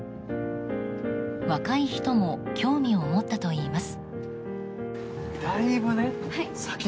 若い人も興味を持ったといいます。